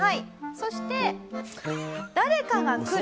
そして誰かが来る。